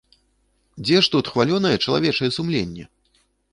Дзе ж тут хвалёнае чалавечае сумленне?